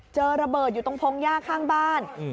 เจอระเบิดอยู่ตรงพงศ์ยากข้างบ้านอืม